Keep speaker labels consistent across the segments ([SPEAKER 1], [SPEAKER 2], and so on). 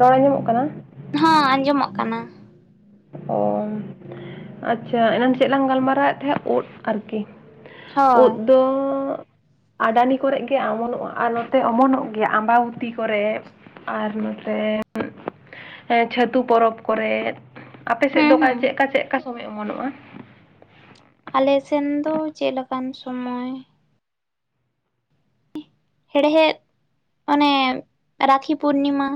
[SPEAKER 1] ᱨᱚᱲ ᱟᱸᱡᱟᱢᱚᱜ ᱠᱟᱱᱟ?
[SPEAKER 2] ᱦᱚᱸ ᱟᱸᱡᱚᱢᱚᱜ ᱠᱟᱱᱟ᱾
[SPEAKER 1] ᱚ ᱟᱪᱪᱷᱟ ᱮᱱᱟᱝ ᱪᱮᱜ ᱞᱟᱝ ᱜᱟᱞᱢᱟᱨᱟᱣᱮ ᱛᱟᱦᱮᱸ ᱩᱫ ᱟᱨᱠᱤ᱾
[SPEAKER 2] ᱦᱳᱭ
[SPEAKER 1] ᱩᱫ ᱫᱚ ᱟᱰᱟᱱᱤ ᱠᱚᱨᱮᱜ ᱜᱮ ᱟᱢᱚᱱᱚᱜᱼᱟ ᱟᱨ ᱱᱚᱛᱮ ᱚᱢᱚᱱᱚᱜ ᱜᱮᱭᱟ ᱟᱢᱵᱟᱵᱩᱛᱤ ᱠᱚᱨᱮ᱾ ᱟᱨ ᱱᱚᱛᱮ ᱦᱮᱸ ᱪᱷᱟᱹᱛᱩ ᱯᱚᱨᱚᱵ ᱠᱚᱨᱮ᱾ ᱟᱯᱮ ᱥᱮᱜ
[SPEAKER 2] ᱦᱩᱸ
[SPEAKER 1] ᱫᱚ ᱚᱠᱟ
[SPEAKER 2] ᱦᱩᱸ
[SPEAKER 1] ᱪᱮᱫ ᱠᱟ ᱪᱮᱫ ᱠᱟ ᱥᱚᱢᱚᱭ ᱚᱢᱚᱱᱚᱜᱼᱟ?
[SPEAKER 2] ᱟᱞᱮᱥᱮᱱ ᱫᱚ ᱪᱮᱫ ᱞᱮᱠᱟᱱ ᱥᱚᱢᱚᱭ ᱦᱮᱲᱦᱮᱫ ᱚᱱᱮ ᱨᱟᱠᱷᱤ ᱯᱩᱨᱱᱤᱢᱟ᱾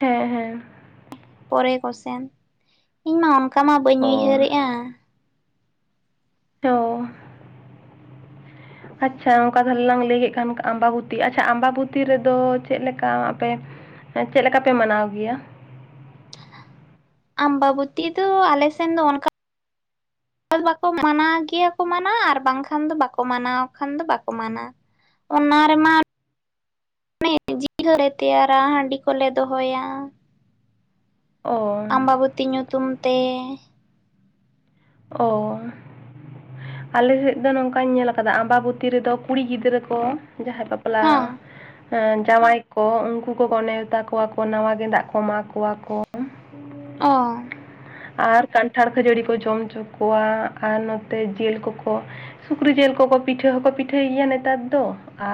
[SPEAKER 1] ᱦᱮᱸ ᱦᱮᱸ
[SPEAKER 2] ᱯᱚᱨᱮ ᱠᱚᱥᱮᱱ ᱤᱧ ᱢᱟ ᱚᱱᱠᱟ ᱢᱟ ᱵᱟᱹᱧ
[SPEAKER 1] ᱚ
[SPEAKER 2] ᱩᱭᱦᱟᱹᱨᱮᱜᱼᱟ᱾
[SPEAKER 1] ᱛᱚᱻ ᱟᱪᱪᱷᱟ ᱚᱱᱠᱟ ᱫᱚᱞᱟᱝ ᱞᱟᱹᱭ ᱠᱮᱫ ᱠᱷᱟᱱ ᱟᱢᱵᱟᱵᱩᱚᱛᱤ᱾ ᱟᱪᱪᱷᱟ ᱟᱢᱵᱟᱵᱩᱚᱛᱤ ᱨᱮᱫᱚ ᱪᱮᱜ ᱞᱮᱠᱟᱻ ᱟᱯᱮ ᱦᱮᱸ ᱪᱮᱜ ᱞᱮᱠᱟ ᱯᱮ ᱢᱟᱱᱟᱣ ᱜᱮᱭᱟ?
[SPEAKER 2] ᱟᱢᱵᱟᱵᱩᱛᱤ ᱫᱚ ᱟᱞᱮᱥᱮᱱ ᱫᱚ ᱚᱱᱠᱟ [inaudible] ᱵᱟᱠᱚ ᱢᱟᱱᱟ ᱜᱮᱭᱟ ᱠᱚ ᱢᱟᱱᱟ ᱟᱨ ᱵᱟᱝᱠᱷᱟᱱ ᱫᱚ ᱵᱟᱠᱚ ᱢᱟᱱᱟᱣ ᱠᱷᱟᱱ ᱫᱚ ᱵᱟᱠᱚ ᱢᱟᱱᱟ᱾ ᱚᱱᱟ ᱨᱮᱢᱟ ᱢᱟᱱᱮ ᱡᱤᱞ ᱞᱮ ᱛᱮᱭᱟᱨᱟ ᱦᱟᱺᱰᱤ ᱠᱚᱞᱮ ᱫᱚᱦᱚᱭᱟ
[SPEAKER 1] ᱚ
[SPEAKER 2] ᱟᱢᱵᱟᱵᱩᱛᱤ ᱧᱩᱛᱩᱢ ᱛᱮ
[SPEAKER 1] ᱚᱻ ᱟᱞᱮ ᱥᱮᱫ ᱫᱚ ᱱᱚᱝᱠᱟᱧ ᱧᱮᱞᱟᱼᱟᱠᱟᱫᱟ ᱟᱢᱵᱟᱵᱩᱛᱤ ᱨᱮᱫᱚ ᱠᱩᱲᱤ ᱜᱤᱫᱽᱨᱟᱹ ᱠᱚ ᱡᱟᱦᱟᱸᱭ ᱵᱟ ᱵᱟᱯᱞᱟ,
[SPEAKER 2] ᱦᱮᱸ
[SPEAKER 1] ᱡᱟᱶᱟᱭ ᱠᱚ ᱩᱱᱠᱩ ᱠᱚᱠᱚ ᱱᱮᱣᱛᱟ ᱠᱚᱣᱟ ᱠᱚ ᱱᱟᱣᱟ ᱜᱮᱸᱫᱟᱜ ᱠᱚ ᱮᱢᱟ ᱠᱚᱣᱟ ᱠᱚ᱾
[SPEAKER 2] ᱚ
[SPEAKER 1] ᱟᱨ ᱠᱟᱱᱴᱷᱟᱲ ᱠᱷᱟᱹᱡᱟᱹᱲᱤ ᱠᱚ ᱡᱚᱢ ᱦᱚᱪᱚ ᱠᱚᱣᱟ ᱟᱨ ᱱᱚᱛᱮ ᱡᱤᱞ ᱠᱚᱠᱚ ᱥᱩᱠᱨᱤ ᱡᱮᱞ ᱠᱚᱠᱚ ᱯᱤᱴᱷᱟᱹ ᱦᱚᱸᱠᱚ ᱯᱤᱴᱷᱟᱹᱭ ᱜᱮᱭᱟ ᱱᱮᱛᱟᱨ ᱫᱚ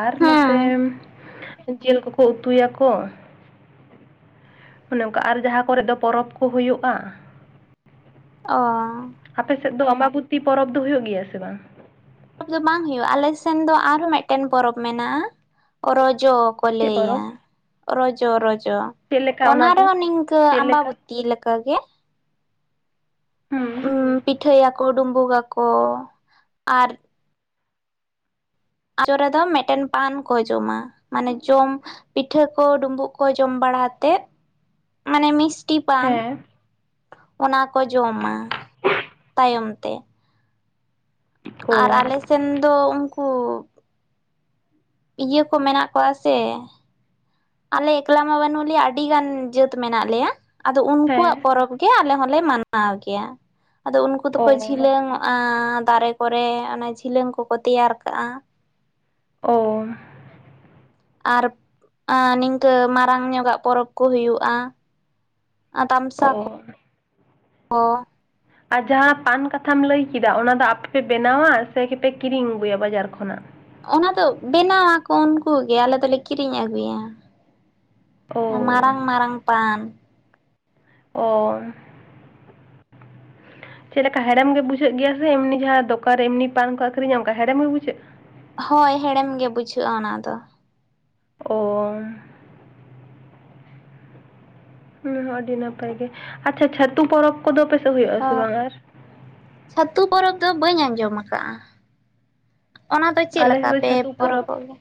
[SPEAKER 1] ᱟᱨ ᱱᱚᱛᱮ
[SPEAKER 2] ᱦᱮᱸ
[SPEAKER 1] ᱡᱮᱞ ᱠᱚᱠᱚ ᱩᱛᱩᱭᱟᱠᱚ ᱚᱱᱮ ᱚᱸᱠᱟ ᱟᱨ ᱡᱟᱦᱟᱸ ᱠᱚᱨᱮ ᱫᱚ ᱯᱚᱨᱚᱵᱽ ᱠᱚ ᱦᱩᱭᱩᱜᱼᱟ᱾
[SPEAKER 2] ᱚᱻ
[SPEAKER 1] ᱟᱯᱮ ᱥᱮᱫ ᱫᱚ ᱟᱸᱵᱟᱵᱩᱛᱤ ᱯᱚᱨᱚᱵᱽ ᱫᱚ ᱦᱩᱭᱩᱜ ᱜᱮᱭᱟ ᱥᱮ ᱵᱟᱝ
[SPEAKER 2] ᱫᱚ ᱵᱟᱝ ᱦᱩᱭᱩᱜ ᱟᱞᱮ ᱥᱮᱱ ᱫᱚ ᱟᱨᱦᱚᱸ ᱢᱮᱜᱴᱮᱱ ᱯᱚᱨᱚᱵᱽ ᱢᱮᱱᱟᱜ-ᱟ ᱨᱚᱡᱚ ᱠᱚ
[SPEAKER 1] ᱪᱮᱫ
[SPEAKER 2] ᱞᱟᱹᱭᱟ
[SPEAKER 1] ᱯᱚᱨᱚᱵᱽ
[SPEAKER 2] ᱨᱚᱡᱚ ᱨᱚᱡᱚ
[SPEAKER 1] ᱪᱮᱫ ᱞᱮᱠᱟ
[SPEAKER 2] ᱚᱱᱟ
[SPEAKER 1] ᱫᱚ
[SPEAKER 2] ᱨᱮᱦᱚᱸ ᱱᱤᱝᱠᱟᱹ
[SPEAKER 1] ᱪᱮᱫ
[SPEAKER 2] ᱟᱢᱵᱟᱵᱩ
[SPEAKER 1] ᱞᱮᱠᱟ
[SPEAKER 2] ᱛᱤ ᱞᱮᱠᱟ ᱜᱮ
[SPEAKER 1] ᱦᱩᱸ
[SPEAKER 2] ᱯᱤᱴᱷᱟᱹᱭᱟᱠᱚ ᱰᱩᱸᱵᱩᱜ ᱜᱟᱠᱚ ᱟᱨ ᱟᱡᱚ ᱨᱮᱫᱚ ᱢᱮᱜᱴᱮᱱ ᱯᱟᱱ ᱠᱚ ᱡᱚᱢᱟ ᱢᱟᱱᱮ ᱡᱚᱢ ᱯᱤᱴᱷᱟᱹ ᱠᱚ ᱰᱩᱸᱵᱩᱜ ᱠᱚ ᱡᱚᱢ ᱵᱟᱲᱟᱛᱮᱫ ᱢᱟᱱᱮ ᱢᱤᱥᱴᱤ ᱯᱟᱱ
[SPEAKER 1] ᱦᱮᱸ
[SPEAKER 2] ᱚᱱᱟ ᱠᱚ ᱡᱚᱢᱟ ᱛᱟᱭᱚᱢ ᱛᱮ ᱟᱨ
[SPEAKER 1] ᱚ
[SPEAKER 2] ᱟᱞᱮ ᱥᱮᱱ ᱫᱚ ᱩᱝᱠᱩ ᱤᱭᱟᱹ ᱠᱚ ᱢᱮᱱᱟᱜ ᱠᱚᱣᱟ ᱥᱮ ᱟᱞᱮ ᱮᱠᱞᱟ ᱢᱟ ᱵᱟᱱᱩᱜ ᱞᱮᱭᱟ ᱟᱹᱰᱤ ᱜᱟᱱ ᱡᱟᱹᱛ ᱢᱮᱱᱟᱜ ᱞᱮᱭᱟ ᱟᱫᱚ ᱩᱱᱠᱩᱣᱟᱜ
[SPEAKER 1] ᱦᱮᱸ
[SPEAKER 2] ᱯᱚᱨᱚᱵᱽ, ᱜᱮ ᱟᱞᱮ ᱦᱚᱸᱞᱮ ᱢᱟᱱᱟᱣ ᱜᱮᱭᱟ ᱟᱫᱚ ᱩᱱᱠᱩ ᱫᱚᱠᱚ ᱡᱷᱤ
[SPEAKER 1] ᱚ
[SPEAKER 2] ᱡᱤᱞᱟᱹᱝ ᱚᱜ-ᱟ ᱫᱟᱨᱮ ᱠᱚ ᱨᱮ ᱚᱱᱟ ᱡᱤᱞᱟᱹᱝ ᱠᱚᱠᱚ ᱛᱮᱭᱟᱨ ᱠᱟᱜ-ᱟ
[SPEAKER 1] ᱚ
[SPEAKER 2] ᱟᱨ ᱱᱤᱝᱠᱟᱹ ᱢᱟᱨᱟᱝ ᱧᱚᱜᱟᱜ ᱯᱚᱨᱚᱵᱽ ᱠᱚ ᱦᱩᱭᱩᱜ-ᱟ ᱟ ᱛᱟᱢᱥᱟ
[SPEAKER 1] ᱚ
[SPEAKER 2] ᱠᱚ ᱠᱚ
[SPEAKER 1] ᱟᱨ ᱡᱟᱦᱟᱸ ᱯᱟᱱ ᱠᱟᱛᱷᱟᱢ ᱞᱟᱹᱭ ᱠᱮᱫᱟ ᱚᱱᱟ ᱫᱚ ᱟᱯᱮᱯᱮ ᱵᱮᱱᱟᱣᱟ ᱥᱮᱯᱮ ᱠᱤᱨᱤᱧ ᱟᱹᱜᱩᱭᱟ ᱵᱟᱡᱟᱨ ᱠᱷᱚᱱᱟᱜ
[SPEAKER 2] ᱚᱱᱟ ᱫᱚ ᱵᱮᱱᱟᱣ ᱟᱠᱚ ᱩᱱᱠᱩᱮ ᱟᱞᱮ ᱫᱚᱞᱮ ᱠᱤᱨᱤᱧ ᱟᱹᱜᱩᱭᱟ
[SPEAKER 1] ᱚ
[SPEAKER 2] ᱢᱟᱨᱟᱝ ᱢᱟᱨᱟᱝ ᱯᱟᱱ
[SPEAKER 1] ᱚ ᱪᱮᱫ ᱞᱮᱠᱟ ᱦᱮᱲᱮᱢ ᱜᱮ ᱵᱡᱷᱟᱹᱜ ᱜᱮᱭᱟ ᱥᱮ ᱮᱢᱱᱤ ᱡᱟᱦᱟᱸ ᱫᱚᱠᱟᱱ ᱨᱮ ᱮᱢᱱᱤ ᱯᱟᱱ ᱠᱚ ᱟᱹᱨᱤᱧᱟ ᱚᱝᱠᱟ ᱦᱮᱨᱮᱢ ᱜᱮ ᱵᱩᱡᱷᱟᱹᱜ-ᱟ
[SPEAKER 2] ᱦᱳᱭ ᱦᱮᱲᱮᱢ ᱜᱮ ᱵᱩᱡᱷᱟᱹᱜ-ᱟ ᱚᱱᱟ ᱫᱚ
[SPEAKER 1] ᱳᱻ ᱚᱱᱟ ᱦᱚᱸ ᱟᱹᱰᱤ ᱱᱟᱯᱟᱭ ᱜᱮ ᱟᱪᱪᱷᱟ ᱪᱷᱟᱹᱛᱩ ᱯᱚᱨᱚᱵᱽ ᱠᱚᱫᱚ ᱟᱯᱮᱥᱮᱜ ᱦᱩᱭᱩᱜ ᱟᱥᱮ
[SPEAKER 2] ᱦᱳᱭ
[SPEAKER 1] ᱵᱟᱝ ᱟᱨ
[SPEAKER 2] ᱪᱷᱟᱹᱛᱩ ᱯᱚᱨᱚᱵᱽ ᱫᱚ ᱵᱟᱹᱧ ᱟᱸᱡᱚᱢᱟ ᱠᱟᱜ-ᱟ ᱚᱱᱟ ᱫᱚ ᱪᱮᱫ
[SPEAKER 1] ᱟᱞᱮ
[SPEAKER 2] ᱞᱮᱠᱟ
[SPEAKER 1] ᱥᱮᱫ ᱫᱚ
[SPEAKER 2] ᱯᱮ
[SPEAKER 1] ᱪᱷᱟᱹᱛᱩ ᱯᱚᱨᱚᱵᱽ
[SPEAKER 2] ᱯᱚᱨᱚᱵᱚᱜ ᱜᱮᱭᱟ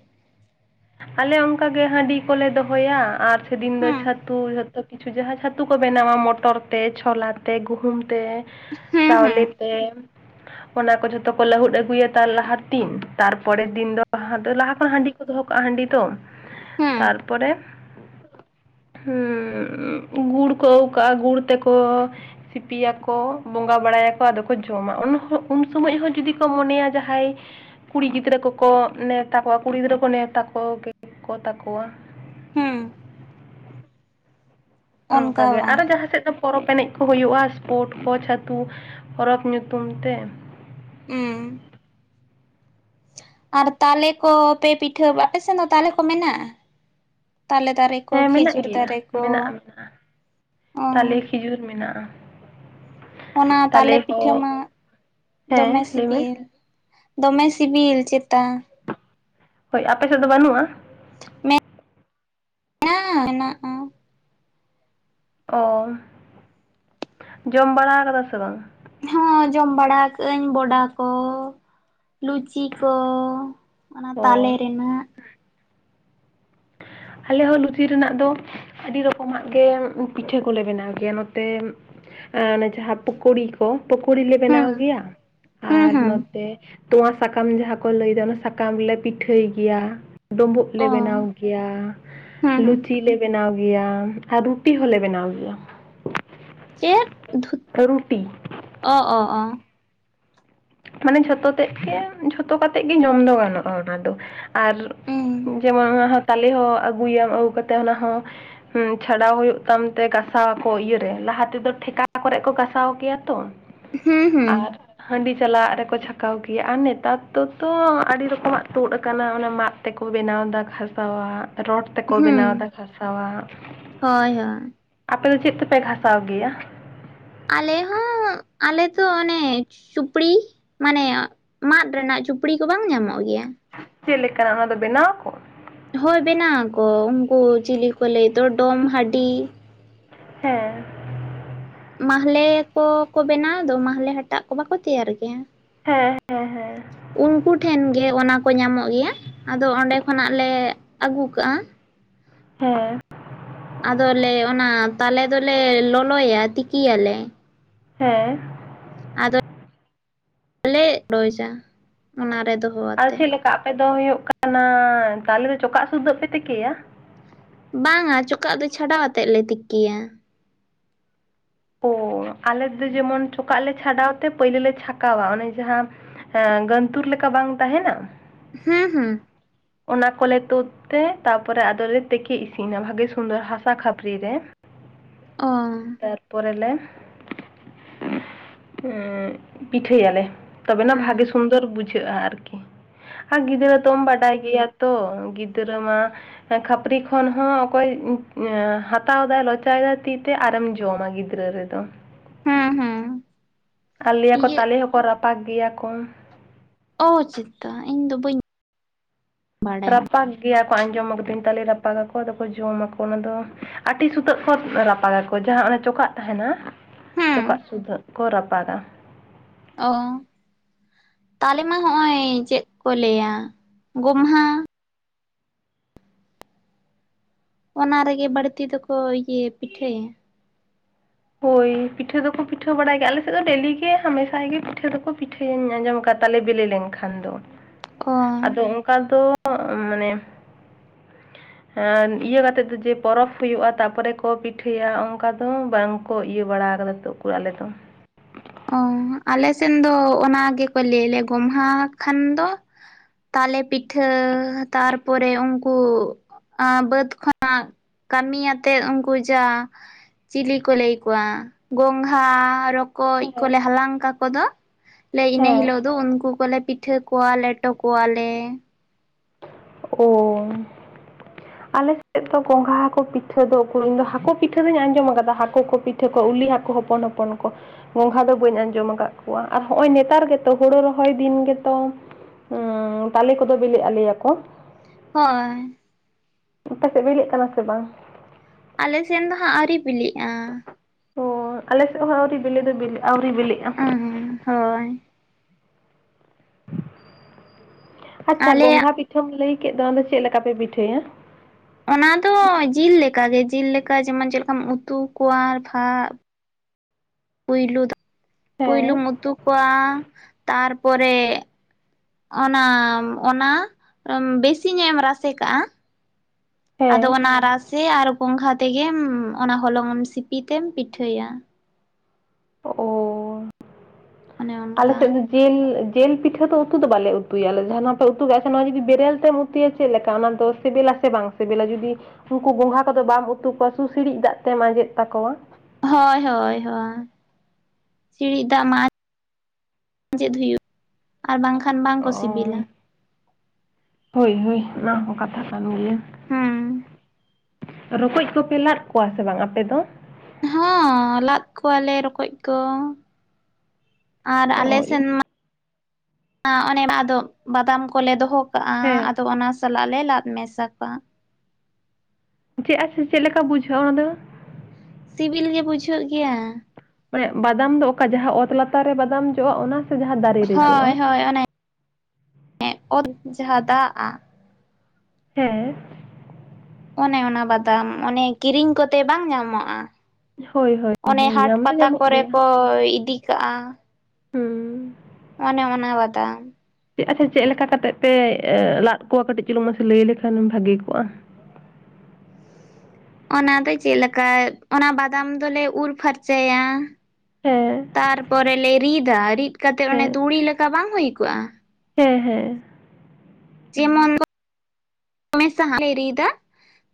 [SPEAKER 1] ᱟᱞᱮ ᱚᱝᱠᱟᱜᱮ ᱦᱟᱺᱰᱤ ᱠᱚᱞᱮ ᱫᱚᱦᱚᱭᱟ ᱟᱨ ᱥᱮᱫᱤᱱ ᱫᱚ
[SPEAKER 2] ᱦᱮᱸ
[SPEAKER 1] ᱪᱷᱟᱹᱛᱩ ᱡᱷᱚ ᱛᱚ ᱠᱤᱪᱷᱩ ᱡᱟᱦᱟᱸ ᱪᱷᱟᱹᱛᱩ ᱠᱚ ᱵᱮᱱᱟᱣᱟ ᱢᱚᱴᱚᱨ ᱛᱮ ᱪᱷᱚᱞᱟ ᱛᱮ ᱜᱩᱦᱩᱢ ᱛᱮ
[SPEAKER 2] ᱦᱩᱸ ᱦᱩᱸ
[SPEAKER 1] ᱪᱟᱣᱞᱮ ᱛᱮ ᱚᱱᱟ ᱠᱚ ᱡᱷᱚᱛᱚ ᱠᱚ ᱞᱟᱹᱦᱩᱫ ᱟᱹᱜᱩᱭᱟ ᱛᱟᱨ ᱞᱟᱦᱟ ᱫᱤᱱ ᱛᱟᱨ ᱯᱚᱨᱮᱨ ᱫᱤᱱ ᱫᱚ ᱞᱟᱦᱟ ᱠᱷᱚ ᱦᱟᱺᱰᱤ ᱠᱚ ᱫᱚᱦᱚ ᱠᱟᱜ-ᱟ ᱦᱟᱺᱰᱤ ᱛᱚᱢ
[SPEAKER 2] ᱦᱩᱸ
[SPEAKER 1] ᱛᱟᱨ ᱯᱚᱨᱮ ᱦᱩᱸ ᱜᱩᱲ ᱠᱚ ᱟᱹᱜᱩ ᱠᱟᱜ-ᱟ ᱜᱩᱲ ᱛᱮᱠᱚ ᱥᱤᱯᱤ ᱭᱟᱠᱚ ᱵᱚᱸᱜᱟ ᱵᱟᱲᱟ ᱭᱟᱠᱚ ᱟᱫᱚ ᱠᱚ ᱡᱚᱢᱟ ᱩᱱᱦᱚ ᱩᱱ ᱥᱚᱢᱚᱭ ᱦᱚᱸ ᱡᱩᱫᱤ ᱠᱚ ᱢᱚᱱᱮᱭᱟ ᱡᱟᱦᱟᱸᱭ ᱠᱩᱲᱤ ᱜᱤᱫᱽᱨᱟᱹ ᱠᱚᱠᱚ ᱱᱮᱣᱛᱟ ᱠᱚᱣᱟ ᱠᱩᱲᱤ ᱜᱤᱫᱽᱨᱟᱹ ᱠᱚ ᱱᱮᱣᱛᱟ ᱠᱚ ᱛᱟᱠᱚᱣᱟ,
[SPEAKER 2] ᱦᱩᱸ
[SPEAKER 1] ᱚᱝᱠᱟ
[SPEAKER 2] ᱚᱱᱠᱟ
[SPEAKER 1] ᱜᱮ
[SPEAKER 2] ᱵᱟᱝ
[SPEAKER 1] ᱟᱨᱚ ᱡᱟᱦᱟᱸ ᱥᱮᱫ ᱫᱚ ᱯᱚᱨᱚᱯ ᱮᱱᱮᱡ ᱠᱚ ᱦᱩᱭᱩᱜ-ᱟ ᱥᱯᱳᱴ ᱠᱚ ᱪᱟᱹᱛᱩ ᱯᱚᱨᱚᱵᱽ ᱧᱩᱛᱩᱢ ᱛᱮ᱾
[SPEAKER 2] ᱩᱢᱸ ᱟᱨ ᱛᱟᱞᱮ ᱠᱚ ᱯᱮ ᱯᱤᱴᱷᱟᱹ ᱟᱯᱮ ᱥᱮᱱ ᱫᱚ ᱛᱟᱞᱮ ᱠᱚ ᱢᱮᱱᱟᱜᱟ ᱛᱟᱞᱮ ᱫᱟᱨᱮ? ᱠᱚ
[SPEAKER 1] ᱦᱮᱸ ᱢᱮᱱᱟᱜ
[SPEAKER 2] ᱠᱷᱤᱡᱩᱨ
[SPEAKER 1] ᱜᱮᱭᱟ
[SPEAKER 2] ᱫᱟᱨᱮ ᱠᱚ
[SPEAKER 1] ᱢᱮᱱᱟᱜᱼᱟ ᱢᱮᱱᱟᱜᱼᱟ
[SPEAKER 2] ᱚ
[SPEAKER 1] ᱛᱟᱞᱮ ᱠᱷᱤᱡᱩᱨ ᱢᱮᱱᱟᱜ-ᱟ᱾
[SPEAKER 2] ᱚᱱᱟ ᱛᱟᱞᱮ ᱯᱤᱴᱷᱟᱹ ᱢᱟ
[SPEAKER 1] ᱦᱮᱸ
[SPEAKER 2] ᱫᱚᱢᱮ
[SPEAKER 1] ᱞᱟᱹᱭ ᱢᱮ
[SPEAKER 2] ᱥᱤᱵᱤᱞ᱾ ᱫᱚᱢᱮ ᱥᱤᱵᱤᱞ ᱪᱮᱛᱟ
[SPEAKER 1] ᱦᱳᱭ ᱟᱯᱮ ᱥᱮᱫ ᱫᱚ ᱵᱟᱹᱱᱩᱟ?
[SPEAKER 2] ᱢᱮᱱᱟᱜ-ᱟ ᱢᱮᱱᱟᱜ [inaudible]
[SPEAKER 1] ᱚ ᱡᱚᱢ ᱵᱟᱲᱟ ᱠᱟᱫᱟ ᱥᱮ ᱵᱟᱝ?
[SPEAKER 2] ᱦᱚᱸ ᱡᱚᱢ ᱵᱟᱲᱟ ᱠᱟᱹᱜ ᱟᱹᱧ ᱵᱚᱰᱟ ᱠᱚ ᱞᱩᱪᱤ ᱠᱚ᱾ ᱚᱱᱟ
[SPEAKER 1] ᱚ
[SPEAKER 2] ᱛᱟᱞᱮ ᱨᱮᱱᱟᱜ᱾
[SPEAKER 1] ᱟᱞᱮ ᱦᱚᱸ ᱞᱩᱪᱤ ᱨᱮᱱᱟᱜ ᱫᱚ ᱟᱹᱰᱤ ᱨᱚᱠᱚᱢᱟᱜ ᱜᱮ ᱯᱤᱴᱷᱟᱹ ᱠᱚᱞᱮ ᱵᱮᱱᱟᱣ ᱜᱮᱭᱟ ᱱᱚᱛᱮ ᱡᱟᱦᱟᱸ ᱯᱩᱠᱳᱲᱤ ᱠᱚ ᱯᱚᱠᱳᱲᱤ ᱞᱮ
[SPEAKER 2] ᱦᱩᱸ
[SPEAKER 1] ᱵᱮᱱᱟᱣ ᱜᱮᱭᱟ
[SPEAKER 2] ᱦᱩᱸ
[SPEAKER 1] ᱟᱨ
[SPEAKER 2] ᱦᱩᱸ
[SPEAKER 1] ᱛᱚᱣᱟ ᱥᱟᱠᱟᱢ ᱡᱟᱦᱟᱸ ᱠᱚ ᱞᱟᱹᱭᱫᱟ ᱚᱱᱟ ᱥᱟᱠᱟᱢᱞᱮ ᱯᱤᱴᱷᱟᱹᱭ ᱜᱮᱭᱟ᱾ ᱰᱩᱸᱵᱩᱜ ᱞᱮ
[SPEAKER 2] ᱚ
[SPEAKER 1] ᱵᱮᱱᱟᱣ ᱜᱮᱭᱟ
[SPEAKER 2] ᱦᱩᱸ ᱦᱩᱸ
[SPEAKER 1] ᱞᱩᱪᱤ ᱞᱮ ᱵᱮᱱᱟᱣ ᱜᱮᱭᱟ ᱟᱨ ᱨᱩᱴᱤ ᱦᱚᱞᱮ ᱵᱮᱱᱟᱣ ᱜᱮᱭᱟ᱾
[SPEAKER 2] ᱪᱮᱫ ᱫᱷᱩᱛ
[SPEAKER 1] ᱨᱩᱴᱤ
[SPEAKER 2] ᱚ ᱚ ᱚ
[SPEAKER 1] ᱢᱟᱱᱮ ᱡᱷᱚᱛᱚ ᱛᱮᱫ ᱜᱮ ᱡᱷᱚᱛᱚ ᱠᱟᱛᱮᱫ ᱜᱮ ᱡᱚᱢ ᱫᱚ ᱜᱟᱱᱚᱜᱼᱟ ᱚᱱᱟ ᱫᱚ ᱟᱨ
[SPEAKER 2] ᱦᱩᱸ
[SPEAKER 1] ᱡᱮᱢᱚᱱ ᱚᱱᱟ ᱦᱚᱸ ᱛᱟᱞᱮ ᱦᱚᱸ ᱟᱹᱜᱩᱭᱟᱢ ᱟᱹᱜᱩ ᱠᱟᱛᱮᱜ ᱚᱱᱟ ᱦᱚᱸ ᱦᱮᱸ ᱪᱷᱟᱰᱟᱣ ᱦᱩᱭᱩᱜ ᱛᱟᱢ ᱛᱮ ᱜᱟᱥᱟᱣ ᱟᱠᱚ ᱤᱭᱟᱹᱨᱮ ᱞᱟᱦᱟ ᱛᱮᱫᱚ ᱴᱷᱮᱠᱟ ᱠᱚᱨᱮ ᱠᱚ ᱜᱟᱥᱟᱣ ᱜᱮᱭᱟ ᱛᱚ
[SPEAKER 2] ᱦᱩᱸ ᱦᱩᱸ
[SPEAKER 1] ᱟᱨ ᱦᱟᱺᱰᱤ ᱪᱟᱞᱟᱣᱟᱜ ᱨᱮᱠᱚ ᱪᱷᱟᱠᱟᱣ ᱜᱮᱭᱟ ᱟᱨ ᱱᱮᱛᱟᱨ ᱫᱚ ᱛᱚ ᱟᱹᱰᱤ ᱨᱚᱠᱚᱢᱟᱜ ᱛᱩᱫ ᱟᱠᱟᱱᱟ ᱚᱱᱟ ᱢᱟᱫ ᱛᱮᱠᱚ ᱵᱮᱱᱟᱣ ᱮᱫᱟ ᱠᱷᱟᱥᱟᱣᱟ ᱨᱚᱰ- ᱛᱮᱠᱚ
[SPEAKER 2] ᱦᱩᱸ
[SPEAKER 1] ᱵᱮᱱᱟᱣᱫᱟ ᱜᱷᱟᱥᱟᱣᱟ,
[SPEAKER 2] ᱦᱳᱭ ᱦᱳᱭ
[SPEAKER 1] ᱟᱯᱮ ᱫᱚ ᱪᱮᱫ ᱛᱮᱯᱮ ᱜᱷᱟᱥᱟᱣ ᱜᱮᱭᱟ?
[SPEAKER 2] ᱟᱞᱮ ᱦᱚᱸ ᱟᱞᱮᱫ ᱫᱚ ᱚᱱᱮ ᱪᱩᱯᱲᱤ ᱢᱟᱱᱮ ᱢᱟᱽ ᱨᱮᱱᱟᱜ ᱪᱩᱯᱲᱤ ᱠᱚ ᱵᱟᱝ ᱧᱟᱢᱚᱜ ᱜᱮᱭᱟ
[SPEAKER 1] ᱪᱮᱫᱞᱮᱠᱟ ᱚᱱᱟ ᱫᱚ ᱵᱮᱱᱟᱣ ᱟᱠᱚ?
[SPEAKER 2] ᱦᱳᱭ ᱵᱮᱱᱟᱜ ᱟᱠᱚ ᱩᱱᱠᱩ ᱪᱤᱞᱤ ᱠᱚ ᱞᱟᱹᱭ ᱫᱚ ᱰᱚᱢ ᱦᱟᱹᱰᱤ᱾
[SPEAKER 1] ᱦᱮᱸ
[SPEAKER 2] ᱢᱟᱦᱞᱮ ᱠᱚᱠᱚ ᱵᱮᱱᱟᱣ ᱫᱚ ᱢᱟᱦᱞᱮ ᱦᱟᱴᱟᱜ ᱠᱚ ᱵᱟᱠᱚ ᱛᱮᱭᱟᱨ ᱜᱮᱭᱟ᱾
[SPEAKER 1] ᱦᱮᱸ ᱦᱮᱸ ᱦᱮᱸ
[SPEAKER 2] ᱩᱱᱠᱩ ᱴᱷᱮᱱ ᱜᱮ ᱚᱱᱟ ᱠᱚ ᱧᱟᱢᱚᱜ ᱜᱮᱭᱟ ᱟᱫᱚ ᱚᱸᱰᱮ ᱠᱷᱚᱱᱟᱜ ᱞᱮ ᱟᱹᱜᱩ ᱠᱟᱜᱼᱟ᱾
[SPEAKER 1] ᱦᱮᱸ
[SPEAKER 2] ᱟᱫᱚ ᱞᱮ ᱚᱱᱟ ᱛᱟᱞᱮ ᱫᱚᱞᱮ ᱞᱚᱞᱚᱭᱟ ᱛᱤᱠᱤᱭ ᱟᱞᱮ
[SPEAKER 1] ᱦᱮᱸ
[SPEAKER 2] ᱟᱫᱚ [unintelligible] ᱚᱱᱟ ᱨᱮᱫᱚ
[SPEAKER 1] ᱟᱨ ᱪᱮᱫ ᱞᱮᱠᱟ ᱟᱯᱮ ᱫᱚ ᱦᱩᱭᱩᱜ ᱠᱟᱱᱟ ᱛᱟᱞᱮ ᱫᱚ ᱪᱚᱠᱟᱜ ᱥᱩᱫᱽᱫᱟᱹᱜ ᱯᱮ ᱛᱤᱠᱭᱟ?
[SPEAKER 2] ᱵᱟᱝᱼᱟ ᱪᱚᱠᱟᱜ ᱫᱚ ᱪᱷᱟᱰᱟᱣ ᱟᱛᱮᱫ ᱞᱮ ᱛᱤᱠᱤᱭᱟ᱾
[SPEAKER 1] ᱚ ᱟᱞᱮ ᱫᱚ ᱡᱮᱢᱚᱱ ᱪᱚᱠᱟᱜ ᱞᱮ ᱪᱷᱟᱰᱟᱣ ᱛᱮ ᱯᱳᱭᱞᱳ ᱞᱮ ᱪᱷᱟᱠᱟᱣᱟ ᱚᱱᱮ ᱡᱟᱦᱟᱸ ᱮᱸ ᱜᱚᱱᱛᱩᱨ ᱞᱮᱠᱟ ᱵᱟᱝ ᱛᱟᱦᱮᱱᱟ,
[SPEAKER 2] ᱦᱮᱸ ᱦᱮᱸ
[SPEAKER 1] ᱚᱱᱟ ᱠᱚᱞᱮ ᱛᱩᱫ ᱛᱮ ᱛᱟᱯᱚᱨᱮ ᱟᱫᱚᱞᱮ ᱛᱮᱠᱤ ᱤᱥᱤᱱᱟ ᱵᱷᱟᱜᱤ ᱥᱩᱱᱫᱚᱨ ᱦᱟᱥᱟ ᱠᱷᱟᱯᱟᱹᱨᱤ ᱨᱮ,
[SPEAKER 2] ᱚ
[SPEAKER 1] ᱛᱟᱨᱯᱚᱨᱮ ᱞᱮ ᱯᱤᱴᱷᱟᱹᱭᱟᱞᱮ᱾ ᱛᱚᱵᱮᱱᱟ ᱵᱷᱟᱜᱮ
[SPEAKER 2] ᱦᱩᱸ
[SPEAKER 1] ᱥᱩᱱᱫᱚᱨ ᱵᱩᱡᱷᱟᱹᱜᱼᱟ ᱟᱨᱠᱤ᱾ ᱟᱨ ᱜᱤᱫᱽᱨᱟᱹ ᱛᱚᱢ ᱵᱟᱰᱟᱭ ᱜᱮᱭᱟ ᱛᱚ ᱜᱤᱫᱽᱨᱟᱹ ᱢᱟ ᱠᱷᱟᱯᱟᱹᱨᱤ ᱠᱷᱚᱱ ᱦᱚᱸ ᱚᱠᱚᱭ ᱦᱟᱛᱟᱣ ᱫᱟᱭ ᱞᱚᱪᱟᱭᱮᱫᱟᱭ ᱛᱤᱛᱮ ᱟᱨᱮᱢ ᱡᱚᱢᱟ ᱜᱤᱫᱽᱨᱟᱹ ᱨᱮᱫᱚ᱾
[SPEAKER 2] ᱦᱩᱸ ᱦᱩᱸ
[SPEAKER 1] ᱟᱨ ᱞᱟᱹᱭᱟ ᱠᱚ
[SPEAKER 2] ᱤᱭᱟᱹ
[SPEAKER 1] ᱛᱟᱞᱮ ᱦᱚᱸᱠᱚ ᱨᱟᱯᱟᱜ ᱜᱮᱭᱟ ᱠᱚ᱾
[SPEAKER 2] ᱚ ᱪᱤᱛᱟ ᱤᱧ ᱫᱚ ᱵᱟᱹᱧ ᱵᱟᱰᱟᱭᱟ
[SPEAKER 1] ᱨᱟᱠᱟᱵ ᱜᱮᱭᱟᱠᱚ ᱟᱸᱡᱚᱢ ᱟᱠᱟᱫᱟᱹᱧ ᱛᱟᱞᱮ ᱨᱟᱯᱟᱜᱟᱠᱚ ᱟᱫᱚ ᱠᱚ ᱡᱚᱢᱟᱠᱚ ᱚᱱᱟᱫᱚ ᱟᱹᱰᱤ ᱥᱩᱛᱟᱹᱜ ᱠᱚ ᱨᱟᱯᱟᱜᱟᱠᱚ ᱡᱟᱦᱟᱸ ᱚᱱᱮ ᱪᱚᱠᱟᱜ ᱛᱟᱦᱮᱱᱟ, ᱪᱚᱠᱟᱜ
[SPEAKER 2] ᱦᱩᱸ
[SPEAKER 1] ᱥᱩᱫᱷᱟᱹᱜ ᱠᱚ ᱨᱟᱯᱟᱜᱟ᱾
[SPEAKER 2] ᱚ ᱛᱟᱞᱤ ᱢᱟ ᱦᱚᱸᱜᱼᱚᱭ ᱪᱮᱜ ᱠᱚ ᱞᱟᱹᱭᱟ ᱜᱚᱢᱦᱟᱹ ᱚᱱᱟ ᱨᱮᱜᱮ ᱵᱟᱹᱲᱛᱤ ᱫᱚᱠᱚ ᱤᱭᱟᱹᱭᱟ ᱯᱤᱴᱷᱟᱹᱭᱟ᱾
[SPEAKER 1] ᱦᱳᱭ ᱯᱤᱴᱷᱟᱹ ᱫᱚᱠᱚ ᱯᱤᱴᱷᱟᱹ ᱵᱟᱲᱟᱭ ᱜᱮᱭᱟ, ᱟᱞᱮᱥᱮᱫ ᱫᱚ ᱰᱮᱞᱤ ᱜᱮ ᱦᱟᱢᱮᱥᱟ ᱜᱮ ᱯᱤᱴᱷᱟᱹ ᱫᱚᱠᱚ ᱯᱤᱴᱷᱟᱹ ᱤᱧ ᱟᱸᱡᱚᱢ ᱟᱠᱟᱫ ᱛᱟᱞᱮ ᱵᱤᱞᱤ ᱞᱮᱱᱠᱷᱟᱱ ᱫᱚ
[SPEAKER 2] ᱚ
[SPEAKER 1] ᱟᱫᱚ ᱚᱝᱠᱟ ᱫᱚ ᱚ ᱢᱟᱱᱮ ᱦᱮᱸ ᱤᱭᱟᱹ ᱠᱟᱛᱮᱫ ᱫᱚ ᱡᱮ ᱯᱚᱨᱚᱵᱽ ᱦᱩᱭᱩᱜᱼᱟ ᱛᱟᱯᱚᱨᱮ ᱠᱚ ᱯᱤᱴᱷᱟᱹᱭᱟ ᱚᱝᱠᱟ ᱫᱚ ᱵᱟᱝ᱾ ᱠᱚ ᱤᱭᱟᱹ ᱵᱟᱲᱟ ᱟᱠᱟᱫᱟ ᱛᱚᱠᱩ ᱟᱞᱮ ᱫᱚ᱾
[SPEAKER 2] ᱚ ᱟᱞᱮ ᱥᱮᱱ ᱫᱚ ᱚᱱᱟ ᱜᱮᱠᱚ ᱞᱟᱹᱭ ᱞᱮᱭᱟ ᱜᱚᱢᱦᱟ ᱠᱷᱟᱱ ᱫᱚ ᱛᱟᱞᱮ ᱯᱤᱴᱷᱟᱹ ᱛᱟᱨᱯᱚᱨᱮ ᱩᱝᱠᱩ ᱟᱸ ᱵᱟᱹᱫᱽ ᱠᱷᱚᱱᱟᱜ ᱠᱟᱹᱢᱤᱭ ᱟᱛᱮᱫ ᱩᱝᱠᱩ ᱡᱟ ᱪᱤᱞᱤ ᱠᱚ ᱞᱟᱹᱭ ᱠᱚᱣᱟ? ᱜᱚᱝᱜᱷᱟ ᱨᱚᱠᱚᱡ
[SPEAKER 1] ᱦᱮᱸ
[SPEAKER 2] ᱠᱚᱞᱮ ᱦᱟᱞᱟᱝ ᱠᱟᱠ ᱠᱚᱫᱚ ᱞᱮ ᱤᱱᱟᱹ
[SPEAKER 1] ᱦᱮᱸ
[SPEAKER 2] ᱦᱤᱞᱳᱜ ᱫᱚ ᱩᱱᱠᱩ ᱠᱚᱞᱮ ᱯᱤᱴ ᱴᱷᱟᱹ ᱠᱚᱣᱟ ᱞᱮᱴᱚ ᱠᱚᱣᱟᱞᱮ᱾
[SPEAKER 1] ᱚ ᱟᱞᱮ ᱥᱮᱫ ᱫᱚ ᱜᱚᱝᱜᱷᱟ ᱠᱩ ᱯᱤᱴᱷᱟᱹ ᱫᱚ ᱩᱠᱩᱨ ᱤᱧ ᱫᱚ ᱦᱟᱠᱩ ᱯᱤᱴᱷᱟᱹ ᱫᱚᱧ ᱟᱸᱡᱚᱢ ᱠᱟᱫᱟ ᱦᱟᱹᱠᱩ ᱯᱤᱴ ᱴᱷᱟᱹ ᱠᱚ ᱩᱞᱤ ᱦᱟᱠᱳ ᱠᱚ ᱦᱚᱯᱚᱱ ᱦᱚᱯᱚᱱ ᱠᱚ᱾ ᱜᱚᱝᱜᱷᱟ ᱫᱚ ᱵᱟᱹᱧ ᱟᱸᱡᱚᱢ ᱟᱠᱟᱜ ᱠᱚᱣᱟ ᱟᱨ ᱦᱚᱸᱜᱼᱚᱭ ᱱᱮᱛᱟᱨ ᱜᱮᱛᱚ ᱦᱳᱲᱳ ᱨᱚᱦᱚᱭ ᱫᱤᱱ ᱜᱮᱛᱚ ᱚᱸ ᱛᱟᱞᱮ ᱠᱚᱫᱚ ᱵᱤᱞᱤᱜᱼᱟ ᱞᱟ. ᱭᱟᱠᱚ᱾
[SPEAKER 2] ᱦᱳᱭ
[SPEAKER 1] ᱟᱯᱮ ᱥᱮᱜ ᱵᱤᱞᱤᱜ ᱠᱟᱱᱟ ᱥᱮ ᱵᱟᱝ?
[SPEAKER 2] ᱟᱞᱮ ᱥᱮᱱ ᱫᱚ ᱦᱟᱸᱜ ᱟᱹᱣᱨᱤ ᱵᱤᱞᱤᱜᱼᱟ᱾
[SPEAKER 1] ᱚ ᱟᱞᱮ ᱥᱮᱜ ᱦᱚᱸ ᱟᱹᱣᱨᱤ ᱵᱤᱞᱤ ᱫᱚ ᱵᱤᱞᱤᱜ ᱟᱹᱣᱨᱤ ᱵᱤᱞᱤᱜᱼᱟ᱾
[SPEAKER 2] ᱦᱩᱸ ᱦᱳᱭ
[SPEAKER 1] ᱟᱪᱪᱷᱟ
[SPEAKER 2] ᱟᱞᱮᱭᱟᱜ
[SPEAKER 1] ᱜᱚᱝᱜᱷᱟ ᱯᱤᱴᱷᱟᱹᱢ ᱞᱟᱹᱭ ᱠᱮᱫ ᱫᱚ ᱚᱱᱟᱫᱚ ᱪᱮᱫ ᱞᱮᱠᱟ ᱯᱮ ᱯᱤᱴᱷᱟᱹᱭᱟ?
[SPEAKER 2] ᱚᱱᱟ ᱫᱚ ᱡᱤᱞ ᱞᱮᱠᱟᱜᱮ ᱡᱤᱞ ᱞᱮᱠᱟ ᱡᱮᱢᱚᱱ ᱪᱮᱫ ᱞᱮᱠᱟᱢ ᱩᱛᱩ ᱠᱚᱣᱟ ᱵᱷᱟᱵ ᱯᱩᱭᱞᱩ ᱫᱚ
[SPEAKER 1] ᱦᱮᱸ
[SPEAKER 2] ᱯᱩᱭᱞᱩᱢ ᱩᱛᱩ ᱠᱚᱣᱟ ᱛᱟᱨᱯᱚᱨᱮ ᱚᱱᱟᱢ ᱚᱱᱟ ᱵᱮᱥᱤ ᱧᱚᱜ ᱮᱢ ᱨᱟᱥᱮ ᱠᱟᱜᱼᱟ᱾ ᱟᱫᱚ
[SPEAKER 1] ᱦᱮᱸ
[SPEAKER 2] ᱚᱱᱟ ᱨᱟᱥᱮ ᱟᱨ ᱜᱚᱝᱜᱷᱟ ᱛᱮᱜᱮᱢ ᱚᱱᱟ ᱦᱚᱞᱚᱝ ᱮᱢ ᱥᱤᱯᱤ ᱛᱮᱢ ᱯᱤᱴᱷᱟᱹᱭᱟ᱾
[SPEAKER 1] ᱳ
[SPEAKER 2] ᱚᱱᱮ
[SPEAKER 1] ᱟᱞᱮ
[SPEAKER 2] ᱚᱱᱠᱟ
[SPEAKER 1] ᱥᱮᱫ ᱫᱚ ᱡᱮᱞ ᱡᱮᱞ ᱯᱤᱴᱷᱟᱹ ᱫᱚ ᱩᱛᱩ ᱫᱚ ᱵᱟᱞᱮ ᱩᱛᱩᱭᱟ ᱟᱞᱮ ᱡᱟᱦᱟᱱᱟᱜ ᱯᱮ ᱩᱛᱩ ᱠᱟᱜᱼᱟ ᱥᱮ ᱚᱱᱟ ᱡᱩᱫᱤ ᱵᱮᱨᱮᱞ ᱛᱮᱢ ᱛᱩᱭᱟ ᱪᱮᱫ ᱞᱮᱠᱟ ᱚᱱᱟ ᱫᱚ ᱥᱤᱵᱤᱞᱟ ᱥᱮ ᱵᱟᱝ ᱥᱤᱵᱤᱞᱟ? ᱡᱩᱫᱤ ᱩᱝᱠᱩ ᱜᱚᱝᱜᱷᱟ ᱠᱚᱫᱚ ᱵᱟᱢ ᱩᱛᱩ ᱠᱚᱣᱟ ᱥᱩ ᱥᱤᱲᱤᱡ ᱫᱟᱜ ᱛᱮᱢ ᱟᱸᱡᱮᱫ ᱛᱟᱠᱚᱣᱟ᱾
[SPEAKER 2] ᱦᱳᱭ ᱦᱳᱭ ᱦᱳᱭ ᱥᱤᱲᱤᱡ ᱫᱟᱜ ᱢᱟ ᱟᱸᱡᱮᱫ ᱦᱩᱭᱩᱜ ᱟᱨ ᱵᱟᱝᱠᱷᱟᱱ
[SPEAKER 1] ᱚ
[SPEAKER 2] ᱵᱟᱝᱠᱚ ᱥᱤᱵᱤᱞᱟ᱾
[SPEAKER 1] ᱦᱳᱭ ᱦᱳᱭ ᱚᱱᱟ ᱦᱚᱸ ᱠᱟᱛᱷᱟ ᱠᱟᱱ ᱜᱮᱭᱟ᱾
[SPEAKER 2] ᱦᱩᱸ
[SPEAKER 1] ᱨᱚᱠᱚᱡ ᱠᱚᱯᱮ ᱞᱟᱫ ᱠᱚᱣᱟ ᱥᱮ ᱵᱟᱝ ᱟᱯᱮ ᱫᱚ?
[SPEAKER 2] ᱦᱚᱸ ᱞᱟᱫ ᱠᱚᱣᱟᱞᱮ ᱨᱚᱠᱚᱡ ᱠᱚ, ᱟᱨ ᱟᱞᱮ
[SPEAKER 1] ᱚ
[SPEAKER 2] ᱥᱮᱱ
[SPEAKER 1] ᱤᱧ
[SPEAKER 2] ᱢᱟ ᱚᱱᱮᱢᱟ ᱟᱫᱚ ᱵᱟᱫᱟᱢ ᱠᱚᱞᱮ ᱫᱚᱦᱚ ᱠᱟᱜᱼᱟ,
[SPEAKER 1] ᱦᱮᱸ
[SPEAKER 2] ᱟᱫᱚ ᱚᱱᱟ ᱥᱟᱞᱟᱜ ᱞᱮ ᱞᱟᱫ ᱢᱮᱥᱟ ᱠᱚᱣᱟ᱾
[SPEAKER 1] ᱪᱮᱫ ᱟ ᱥᱮ ᱪᱮᱫ ᱞᱮᱠᱟ ᱵᱩᱡᱷᱟᱹᱜᱼᱟ ᱚᱱᱟᱫᱚ?
[SPEAKER 2] ᱥᱤᱵᱤᱞ ᱜᱮ ᱵᱩᱡᱷᱟᱹᱜ ᱜᱮᱭᱟ᱾
[SPEAKER 1] ᱢᱟᱱᱮ ᱵᱟᱫᱟᱢ ᱫᱚ ᱚᱠᱟ ᱡᱟᱦᱟᱸ ᱚᱛ ᱞᱟᱛᱟᱨ ᱨᱮ ᱵᱟᱫᱟᱢ ᱡᱚᱜᱼᱟ ᱚᱱᱟ ᱥᱮ ᱡᱟᱦᱟᱸ ᱫᱟᱨᱮ ᱨᱮ ᱡᱚᱜᱼᱟ?
[SPEAKER 2] ᱮᱸ ᱚᱛ ᱡᱟᱦᱟᱸ ᱫᱟᱜᱼᱟ᱾
[SPEAKER 1] ᱦᱮᱸ
[SPEAKER 2] ᱚᱱᱮ ᱚᱱᱟ ᱵᱟᱫᱟᱢ, ᱚᱱᱮ ᱠᱤᱨᱤᱧ ᱠᱚᱛᱮ ᱵᱟᱝ ᱧᱟᱢᱚᱜᱼᱟ᱾
[SPEAKER 1] ᱦᱳᱭ ᱦᱳᱭ
[SPEAKER 2] ᱚᱱᱮ
[SPEAKER 1] ᱦᱳᱭ
[SPEAKER 2] ᱦᱟᱴ
[SPEAKER 1] ᱧᱟᱢ ᱫᱚ
[SPEAKER 2] ᱯᱟᱛᱟ
[SPEAKER 1] ᱧᱟᱢᱚᱜ
[SPEAKER 2] ᱠᱚᱨᱮ
[SPEAKER 1] ᱜᱮᱭᱟ
[SPEAKER 2] ᱠᱚ ᱤᱫᱤ ᱠᱟᱜᱼᱟ,
[SPEAKER 1] ᱦᱩᱸ
[SPEAKER 2] ᱚᱱᱮ ᱚᱱᱟ ᱵᱟᱫᱟᱢ ᱾
[SPEAKER 1] ᱪᱮᱫ ᱟᱪᱪᱷᱟ ᱪᱮᱫ ᱞᱮᱠᱟ ᱠᱟᱛᱮᱫ ᱯᱮ ᱞᱟᱫ ᱠᱚᱣᱟ, ᱠᱟᱹᱴᱤᱡ ᱪᱩᱞᱩᱝ ᱢᱟᱥᱮ ᱞᱟᱹᱭ ᱞᱮᱠᱷᱟᱱ ᱵᱷᱟᱜᱮ ᱠᱚᱜᱼᱟ᱾
[SPEAKER 2] ᱚᱱᱟ ᱫᱚ ᱪᱮᱫ ᱞᱮᱠᱟ, ᱚᱱᱟ ᱵᱟᱫᱟᱢ ᱫᱚᱞᱮ ᱩᱨ ᱯᱷᱟᱨᱪᱟᱭᱟᱼᱼ
[SPEAKER 1] ᱦᱮᱸ
[SPEAKER 2] ᱛᱟᱨᱯᱚᱨᱮ ᱞᱮ ᱨᱤᱫᱟ, ᱨᱤᱫ ᱠᱟᱛᱮ ᱚᱱᱮ
[SPEAKER 1] ᱦᱮᱸ
[SPEAKER 2] ᱛᱩᱲᱤ ᱞᱮᱠᱟ ᱵᱟᱝ ᱦᱩᱭ ᱠᱚᱜᱼᱟᱼᱼ
[SPEAKER 1] ᱦᱮᱸ ᱦᱮᱸ
[SPEAKER 2] ᱡᱮᱢᱚᱱ ᱫᱚ ᱫᱚᱢᱮ [unintelligible] ᱥᱟᱦ ᱮᱨᱤᱭᱟ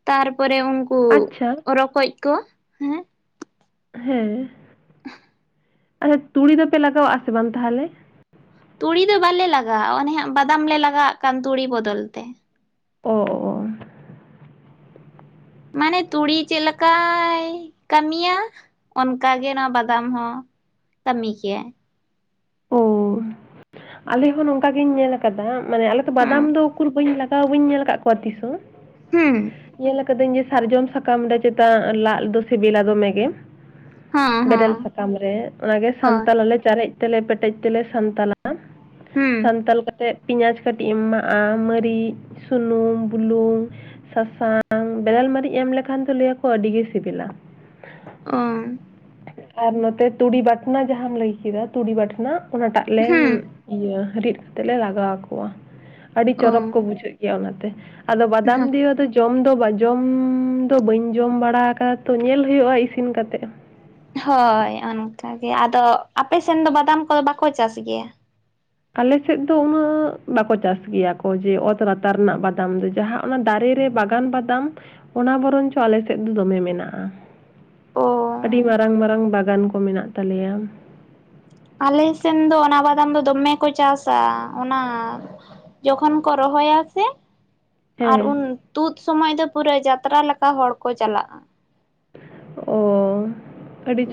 [SPEAKER 2] ᱛᱟᱨᱯᱚᱨᱮ ᱩᱱ ᱠᱚ
[SPEAKER 1] ᱟᱪᱪᱷᱟ
[SPEAKER 2] ᱨᱚᱠᱚᱡ ᱠᱚ ᱦᱮᱸ
[SPEAKER 1] ᱦᱮᱸ ᱟᱪᱪᱷᱟ [unintelligible] ᱛᱩᱲᱤ ᱫᱚᱯᱮ ᱞᱟᱜᱟᱣ ᱟᱥᱮ ᱵᱟᱝ ᱛᱟᱦᱚᱞᱮᱼᱼ
[SPEAKER 2] ᱛᱩᱲᱤ ᱫᱚ ᱵᱟᱞᱮ ᱞᱟᱜᱟᱣᱟᱜ ᱚᱱᱮᱦᱟᱜ ᱵᱟᱫᱟᱢ ᱞᱮ ᱞᱟᱜᱟᱣᱟᱜ ᱠᱟᱱ ᱛᱩᱲᱤ ᱵᱚᱫᱚᱞ ᱛᱮ ᱾
[SPEAKER 1] ᱚᱻ ᱚᱻ
[SPEAKER 2] ᱢᱟᱱᱮ ᱛᱩᱲᱤ ᱪᱮᱫ ᱞᱮᱠᱟᱭ ᱠᱟᱹᱢᱤᱭᱟᱼᱼ ᱚᱱᱠᱟᱜᱮ ᱱᱚᱣᱟ ᱵᱟᱫᱟᱢ ᱦᱚᱸ ᱠᱟᱹᱢᱤ ᱠᱮᱭᱟ᱾
[SPEAKER 1] ᱚ ᱟᱞᱮ ᱦᱚᱸ ᱱᱚᱝᱠᱟ ᱜᱤᱧ ᱧᱮᱞ ᱟᱠᱟᱫᱟ, ᱢᱟᱱᱮ
[SPEAKER 2] ᱦᱩᱸ
[SPEAKER 1] ᱵᱟᱫᱟᱢ ᱫᱚ ᱩᱠᱩᱨ ᱦᱟᱛᱟᱣ ᱵᱟᱹᱧ ᱧᱮᱞ ᱟᱠᱟᱫ ᱠᱚᱣᱟ ᱛᱤᱥᱦᱚᱸ᱾
[SPEAKER 2] ᱦᱩᱸᱻ
[SPEAKER 1] ᱧᱮᱞ ᱟᱠᱟᱫᱟᱹᱧ ᱡᱮ ᱥᱟᱨᱡᱚᱢ ᱥᱟᱠᱟᱢ ᱨᱮ ᱪᱮᱛᱟ ᱞᱟᱫ ᱫᱚ ᱥᱮᱵᱤᱞᱟ ᱫᱚᱢᱮ ᱜᱮ᱾
[SPEAKER 2] ᱦᱚᱸ
[SPEAKER 1] ᱵᱮᱨᱮᱞ
[SPEAKER 2] ᱦᱚᱸ
[SPEAKER 1] ᱥᱟᱠᱟᱢ ᱨᱮ ᱚᱱᱟᱜᱮ
[SPEAKER 2] ᱦᱳᱭ
[SPEAKER 1] ᱥᱟᱱᱛᱟᱞᱮ ᱪᱟᱨᱮᱡ ᱛᱮᱞᱮ ᱯᱮᱴᱮᱡ ᱛᱮᱞᱮ ᱥᱟᱱᱛᱟᱞ- ᱟᱼᱼ
[SPEAKER 2] ᱦᱩᱸ
[SPEAKER 1] ᱥᱟᱱᱛᱟᱞ ᱠᱟᱛᱮᱫ ᱯᱮᱸᱭᱟᱡᱽ ᱠᱟᱹᱴᱤᱡ ᱮᱢ ᱮᱢᱟᱜᱼᱟ, ᱢᱟᱹᱨᱤᱪ ᱥᱩᱱᱩᱢ ᱵᱩᱞᱩᱸᱝᱼᱼ ᱥᱟᱥᱟᱝ ᱵᱮᱨᱮᱞ ᱢᱟᱹᱨᱤᱪ ᱮᱢ ᱞᱮᱠᱷᱟᱱ ᱫᱚ ᱞᱟᱹᱭᱟᱠᱚ ᱟᱹᱰᱤ ᱜᱮ ᱥᱮᱵᱤᱞᱟ᱾
[SPEAKER 2] ᱚ
[SPEAKER 1] ᱟᱨ ᱱᱚᱛᱮ ᱛᱩᱲᱤ ᱵᱟᱴᱱᱟ ᱡᱟᱦᱟᱸᱢ ᱞᱟᱹᱭ ᱠᱮᱫᱟ ᱛᱩᱲᱤ ᱵᱟᱴᱱᱟᱼᱼ ᱚᱱᱟᱴᱟᱜ ᱞᱮ
[SPEAKER 2] ᱦᱩᱸ
[SPEAKER 1] ᱤᱭᱟᱹ ᱨᱤᱫ ᱠᱟᱛᱮ ᱞᱮ ᱞᱟᱜᱟᱣ ᱟᱠᱚᱣᱟ, ᱟᱹᱰᱤ
[SPEAKER 2] ᱚ
[SPEAKER 1] ᱪᱚᱨᱚᱠ ᱠᱚ ᱵᱩᱡᱷᱟᱹᱜᱼᱼ ᱚᱱᱟᱛᱮ ᱟᱫᱚ ᱵᱟᱫᱟᱢ
[SPEAKER 2] ᱦᱚᱸ
[SPEAKER 1] ᱫᱤᱭᱟ ᱫᱚᱼᱼ ᱡᱚᱢ ᱫᱚ ᱵᱟᱸᱧ ᱡᱚᱢ ᱫᱚ ᱵᱟᱹᱧ ᱡᱚᱢ ᱵᱟᱲᱟ ᱟᱠᱟᱫᱟ ᱛᱚ, ᱧᱮᱞ ᱦᱩᱭᱩᱜᱼᱟ ᱤᱥᱤᱱ ᱠᱟᱛᱮ᱾
[SPEAKER 2] ᱦᱚᱭ ᱚᱱᱠᱟᱜᱮ, ᱟᱫᱚ ᱟᱯᱮᱥᱮᱱ ᱫᱚ ᱵᱟᱫᱟᱢ ᱠᱚᱫᱚ ᱵᱟᱠᱚ ᱪᱟᱥ ᱜᱮᱭᱟ?
[SPEAKER 1] ᱟᱞᱮᱥᱮᱫ ᱫᱚ ᱩᱱᱟᱹᱜ, ᱵᱟᱠᱚ ᱪᱟᱥ ᱜᱮᱭᱟ ᱠᱚ ᱡᱮ ᱚᱛ ᱨᱟᱛᱟᱨ ᱨᱮᱱᱟᱜ ᱵᱟᱫᱟᱢ ᱫᱚ᱾ ᱡᱟᱦᱟᱸ ᱚᱱᱟ ᱫᱟᱨᱮ ᱨᱮ ᱵᱟᱜᱟᱱ ᱵᱟᱫᱟᱢ, ᱚᱱᱟ ᱵᱚᱨᱚᱱ ᱪᱚ ᱟᱞᱮ ᱥᱮᱫ ᱫᱚ ᱫᱚᱢᱮ ᱢᱮᱱᱟᱜᱼᱟ ᱾
[SPEAKER 2] ᱚ
[SPEAKER 1] ᱟᱹᱰᱤ ᱢᱟᱨᱟᱝ ᱢᱟᱨᱟᱝ ᱵᱟᱜᱟᱱ ᱠᱚ ᱢᱮᱱᱟᱜ ᱛᱟᱞᱮᱭᱟ,
[SPEAKER 2] ᱟᱞᱮ ᱥᱮᱱ ᱫᱚ ᱚᱱᱟ ᱵᱟᱫᱟᱢ ᱫᱚ ᱫᱚᱢᱮ ᱠᱚ ᱪᱟᱥᱟ ᱚᱱᱟᱼᱼ ᱡᱚᱠᱷᱚᱸᱱ ᱠᱚ ᱨᱚᱦᱚᱭᱟ ᱥᱮᱼᱼ ᱟᱨ ᱩᱱ
[SPEAKER 1] ᱦᱮᱸ
[SPEAKER 2] ᱛᱩᱫ ᱥᱚᱢᱚᱭ ᱫᱚ ᱯᱩᱨᱟᱹ ᱡᱟᱛᱨᱟ ᱞᱮᱠᱟ ᱦᱚᱲᱠᱚ ᱪᱟᱞᱟᱜᱼᱟ ᱾
[SPEAKER 1] ᱚᱻ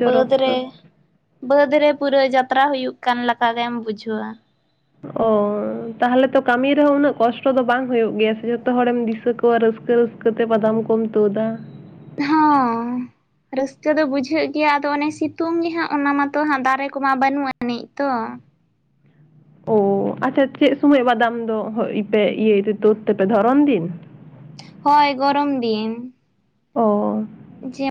[SPEAKER 2] ᱵᱟᱹᱫᱽ ᱨᱮ, ᱵᱟᱹᱫᱽ ᱨᱮ ᱯᱩᱨᱟᱹ ᱡᱟᱛᱨᱟ ᱦᱩᱭᱩᱜ ᱠᱟᱱ ᱞᱮᱠᱟ ᱜᱮᱢ ᱵᱩᱡᱷᱟᱹᱣᱟ ᱾
[SPEAKER 1] ᱚᱻ ᱛᱟᱦᱚᱞᱮ ᱛᱚ ᱠᱟᱹᱢᱤ ᱨᱮᱦᱚᱸ ᱩᱱᱟᱹᱜ ᱠᱚᱥᱴᱚ ᱫᱚ ᱵᱟᱝ ᱦᱩᱭᱩᱜ ᱜᱮᱭᱟ ᱥᱮ ᱡᱚᱛᱚ ᱦᱚᱲᱮᱢ ᱫᱤᱥᱟᱹ ᱠᱚᱼᱼ ᱛᱤᱱᱟᱹᱜ ᱨᱟᱹᱥᱠᱟᱹ ᱨᱟᱹᱥᱠᱟ ᱛᱮ ᱵᱟᱫᱟᱢ ᱠᱚᱢ ᱛᱩᱫᱟ ᱾ [inaudible]
[SPEAKER 2] ᱦᱚᱸ ᱨᱟᱹᱥᱠᱟᱹ ᱫᱚ ᱵᱩᱡᱷᱟᱹᱜ ᱜᱮᱭᱟ ᱟᱫᱚ ᱚᱱᱮ ᱥᱤᱛᱩᱸᱝ ᱜᱮ ᱦᱟᱸᱜ ᱚᱱᱟ ᱢᱟᱛᱚ ᱦᱟᱸᱜ ᱫᱟᱨᱮ ᱠᱚᱢᱟ ᱵᱟᱹᱱᱩᱜ ᱟᱹᱱᱤᱡ ᱛᱚ ᱾
[SPEAKER 1] ᱚ ᱟᱪᱪᱷᱟ ᱪᱮᱫ ᱥᱚᱢᱚᱭ ᱵᱟᱫᱟᱢ ᱫᱚᱯᱮ ᱤᱭᱟᱹᱭᱛᱮ ᱛᱩᱫ ᱛᱮᱯᱮ ᱫᱷᱚᱨᱚᱱ ᱫᱤᱱ ᱾ [inaudible]
[SPEAKER 2] ᱦᱚᱭ ᱜᱚᱨᱚᱢ ᱫᱤᱱ
[SPEAKER 1] ᱚᱻ
[SPEAKER 2] ᱡᱮ [unintelligible]